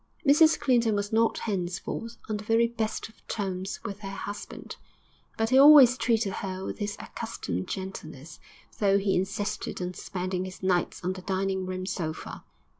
Mrs Clinton was not henceforth on the very best of terms with her husband, but he always treated her with his accustomed gentleness, though he insisted on spending his nights on the dining room sofa.